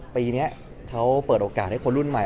ปีนี้เขาเปิดโอกาสให้คนรุ่นใหม่